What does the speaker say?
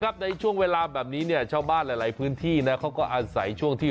ในช่วงเวลาแบบนี้เนี่ยชาวบ้านหลายหลายพื้นที่นะเขาก็อาศัยช่วงที่